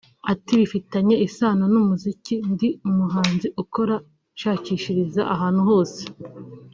Ati “Bifitanye isano n’umuziki […] Ndi umuhanzi ukora nshakishiriza ahantu hose